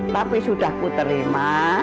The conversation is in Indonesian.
tapi sudah ku terima